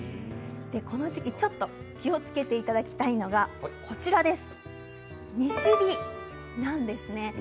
この時期、ちょっと気をつけていただきたいのが西日なんですね。